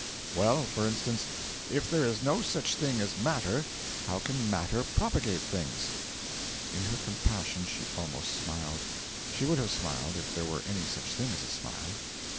'Well, for instance: if there is no such thing as matter, how can matter propagate things?' In her compassion she almost smiled. She would have smiled if there were any such thing as a smile.